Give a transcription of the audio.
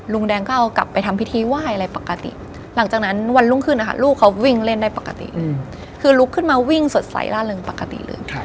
ลุงแดงก็เอากลับไปทำพิธีไหว้อะไรปกติหลังจากนั้นวันรุ่งขึ้นนะคะลูกเขาวิ่งเล่นได้ปกติคือลุกขึ้นมาวิ่งสดใสล่าเริงปกติเลย